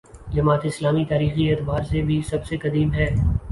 جماعت اسلامی تاریخی اعتبار سے بھی سب سے قدیم ہے۔